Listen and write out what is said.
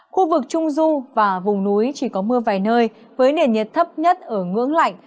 khu vực trung du và vùng núi chỉ có mưa vài nơi với nền nhiệt thấp nhất ở ngưỡng lạnh